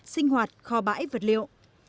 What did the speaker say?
sinh hoạt kho bãi vật liệu